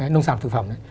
nông sản thực phẩm